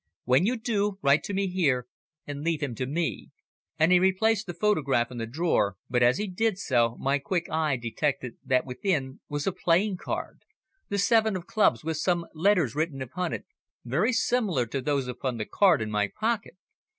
When you do, write to me here, and leave him to me." And he replaced the photograph in the drawer, but as he did so my quick eye detected that within was a playing card, the seven of clubs, with some letters written upon it very similar to those upon the card in my pocket.